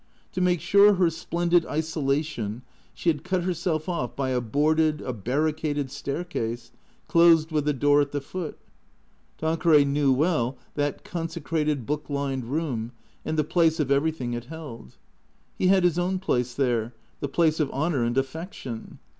To make sure her splendid isola tion, she had cut herself off by a boarded, a barricaded staircase, closed with a door at the foot. Tanqueray knew well that con secrated, book lined room, and the place of everything it held. He had his own place there, the place of honour and affection.